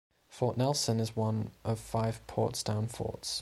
Fort Nelson is one of five Portsdown Forts.